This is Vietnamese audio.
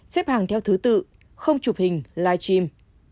xếp hàng theo thứ tự không chụp hình live stream